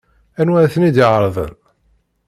Anwa ay ten-id-iɛerḍen?